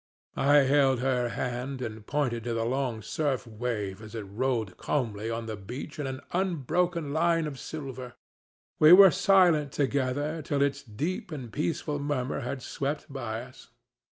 I held her hand and pointed to the long surf wave as it rolled calmly on the beach in an unbroken line of silver; we were silent together till its deep and peaceful murmur had swept by us.